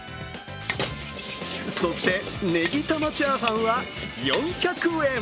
そして、ねぎ玉チャーハンは４００円。